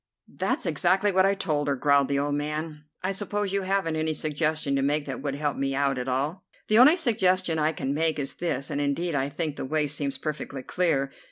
"That's exactly what I told her," growled the old man. "I suppose you haven't any suggestion to make that would help me out at all?" "The only suggestion I can make is this, and indeed I think the way seems perfectly clear.